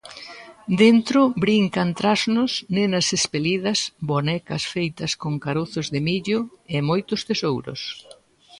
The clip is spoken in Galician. Dentro brincan trasnos, nenas espelidas, bonecas feitas con carozos de millo e moitos tesouros.